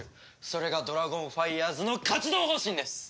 それがドラゴンファイヤーズの活動方針です！